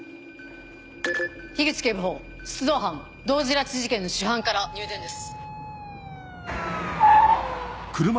口警部補出動班同時拉致事件の主犯から入電です。